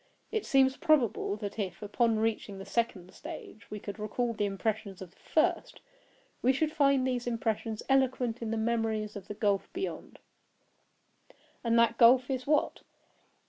It seems probable that if, upon reaching the second stage, we could recall the impressions of the first, we should find these impressions eloquent in memories of the gulf beyond. And that gulf is—what?